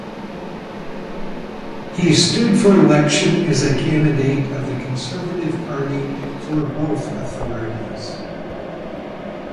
He stood for election as a candidate of the Conservative Party for both authorities.